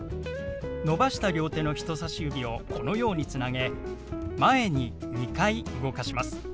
伸ばした両手の人さし指をこのようにつなげ前に２回動かします。